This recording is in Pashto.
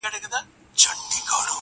دا متل دی له پخوا د اولنیو!.